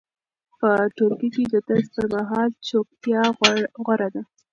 په ټولګي کې د درس پر مهال چوپتیا غوره ده.